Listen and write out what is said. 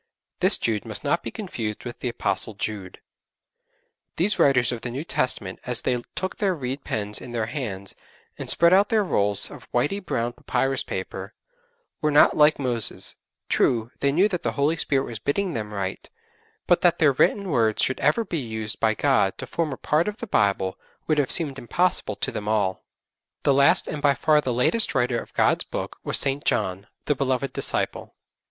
This Jude must not be confused with the Apostle Jude. These writers of the New Testament as they took their reed pens in their hands, and spread out their rolls of whitey brown papyrus paper, were not like Moses. True, they knew that the Holy Spirit was bidding them write, but that their written words should ever be used by God to form a part of the Bible would have seemed impossible to them all. [Illustration: PART OF AN ANCIENT COPTIC TOMBSTONE IN BRITISH MUSEUM] The last and by far the latest writer of God's Book was St. John, the beloved disciple.